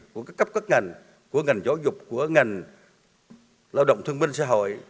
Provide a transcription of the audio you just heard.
của các cấp các ngành của ngành giáo dục của ngành lao động thương minh xã hội